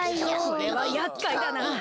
これはやっかいだな。